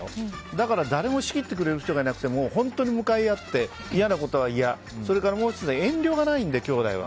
だから誰も仕切ってくれる人がいなくて本当に向かい合って嫌なことは嫌それからもう１つ、遠慮がないんできょうだいは。